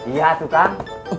iya tuh kang